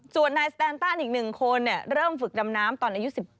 ส่วนนายสแตนตันอีก๑คนเริ่มฝึกดำน้ำตอนอายุ๑๗